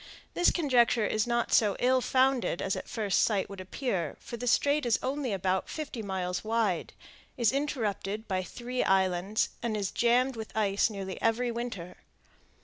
This conjecture is not so ill founded as at first sight would appear; for the Strait is only about fifty miles wide, is interrupted by three islands, and is jammed with ice nearly every winter.